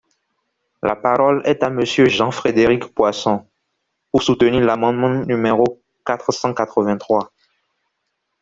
La parole est à Monsieur Jean-Frédéric Poisson, pour soutenir l’amendement numéro quatre cent quatre-vingt-trois.